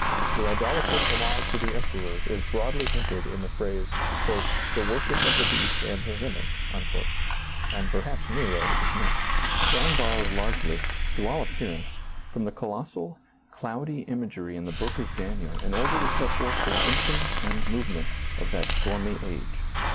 The idol atrous homage to the emperors is broadly hinted in the phrase, " the worship of the beast and his image," and perhaps Nero is meant. John borrows ^lailizccbvGoOgle THE COMING TEMPLE 169 lai^ely, to all appearance, from the colossal, cloudy imagery of the Book of Daniel in order to set forth the symptoms and movements of that stormy age.